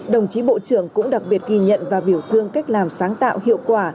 đồng chí bộ trưởng cũng đặc biệt ghi nhận và biểu dương cách làm sáng tạo hiệu quả